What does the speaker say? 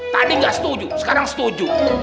tadi nggak setuju sekarang setuju